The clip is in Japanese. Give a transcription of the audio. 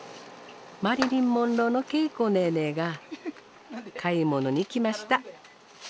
マリリン・モンローのケイコねえねえが買い物に来ました。